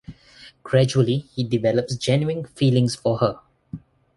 Gradually, he develops genuine feelings for her.